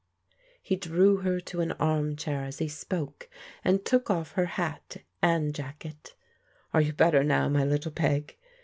He drew her to an armchair as he spoke, and took off her hat and jacket "Are you better now, my little Peg?"